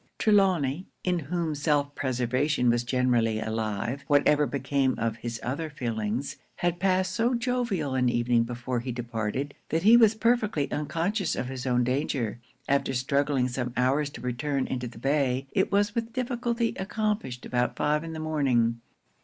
'Trelawny, in whom self preservation was generally alive, whatever became of his other feelings, had passed so jovial an evening before he departed, that he was perfectly unconscious of his own danger. After struggling some hours to return into the bay, it was with difficulty accomplished about five in the morning.